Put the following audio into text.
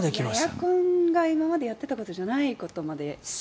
エアコンが今までやってたことじゃないことまで。